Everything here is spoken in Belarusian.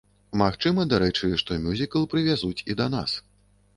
Магчыма, дарэчы, што мюзікл прывязуць і да нас.